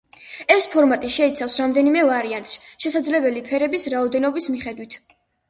ეს ფორმატი შეიცავს რამდენიმე ვარიანტს, შესაძლებელი ფერების რაოდენობის მიხედვით.